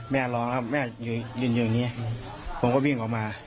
แม่ร้องครับแม่ยืนอยู่อย่างนี้ผมก็วิ่งออกมา